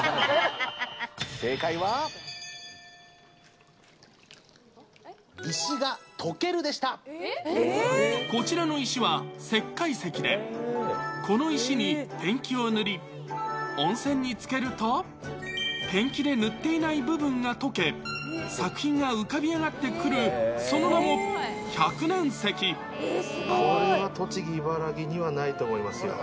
正解は、こちらの石は石灰石で、この石にペンキを塗り、温泉につけると、ペンキで塗っていない部分が溶け、作品が浮かび上がってくる、これは栃木、茨城にはないと思いますよ。